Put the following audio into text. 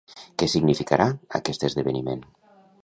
Què significarà aquest esdeveniment?